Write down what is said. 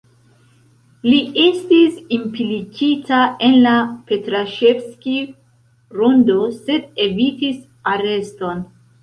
Li estis implikita en la Petraŝevskij-Rondo, sed evitis areston.